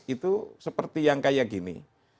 itu seperti yang kayak gini